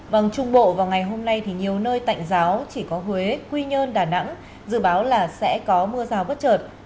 vâng trung bộ vào ngày hôm nay thì nhiều nơi tạnh giáo chỉ có huế quy nhơn đà nẵng dự báo là sẽ có mưa rào bất chợt